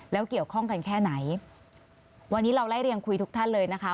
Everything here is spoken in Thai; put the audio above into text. แล้วเกี่ยวข้องกันแค่ไหนวันนี้เราไล่เรียงคุยทุกท่านเลยนะคะ